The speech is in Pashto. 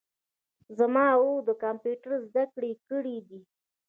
زما ورور د کمپیوټر زده کړي کړیدي